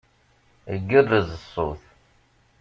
Igerrez ṣṣut.